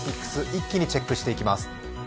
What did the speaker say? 一気にチェックしていきます。